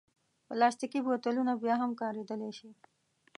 پلاستيکي بوتلونه بیا هم کارېدلی شي.